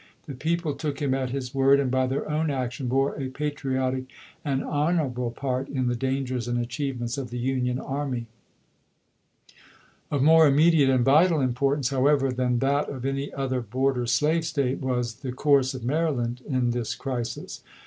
The people took him at his chap. v. word, and by their own action bore a patriotic and Burton, honorable part in the dansrers and achievements of tJon. ^prii ■^° 26, 1861. the Union army. .. ^^g'JJ'g^^o^ Of more immediate and vital importance, how voll, doc ever, than that of any other border slave State, "p^Tss!" was the course of Maryland in this crisis.